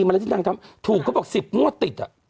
อะไรที่นางทำถูกเขาบอก๑๐งวดติด